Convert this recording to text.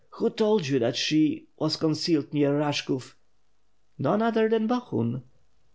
"Who told you that she ... was concealed near Bash kov?" "None other than Bohun."